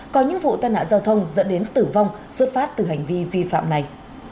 có những vụ tai nạn giao thông dẫn đến tử vong xuất phát từ hành vi vi phạm này